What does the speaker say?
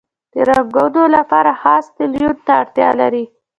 د رنګولو لپاره خاص تلوین ته اړتیا لري.